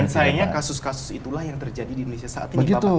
dan sayangnya kasus kasus itulah yang terjadi di indonesia saat ini pak